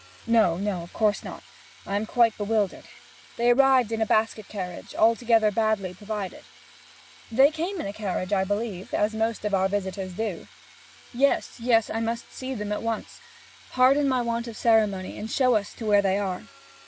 'No, no; of course not. I am quite bewildered. They arrived in a basket carriage, altogether badly provided?' 'They came in a carriage, I believe, as most of our visitors do.' 'Yes, yes. I must see them at once. Pardon my want of ceremony, and show us in to where they are.'